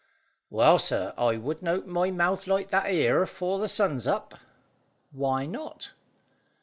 "Well, sir, I wouldn't open my mouth like that 'ere, 'fore the sun's up." "Why not?"